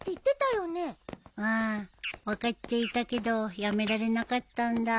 うん。分かっちゃいたけどやめられなかったんだ。